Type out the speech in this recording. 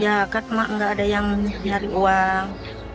ya nggak ada yang nyari uang